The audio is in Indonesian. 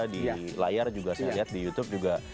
di layar juga saya lihat di youtube juga